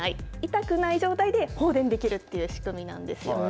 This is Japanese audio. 痛くない状態で放電できるっていう仕組みなんですよね。